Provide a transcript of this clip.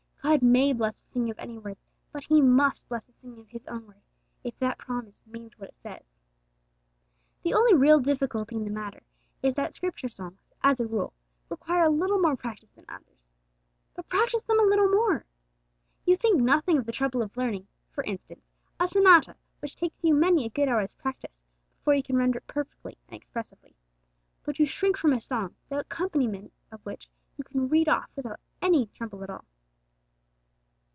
God may bless the singing of any words, but He must bless the singing of His own Word, if that promise means what it says! The only real difficulty in the matter is that Scripture songs, as a rule, require a little more practice than others. Then practise them a little more! You think nothing of the trouble of learning, for instance, a sonata, which takes you many a good hour's practice before you can render it perfectly and expressively. But you shrink from a song, the accompaniment of which you cannot read off without any trouble at all.